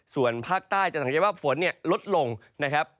ส่วนภาคใต้จะสังเกตว่าฝนลดลงนะครับ